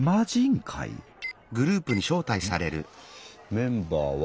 メンバーは。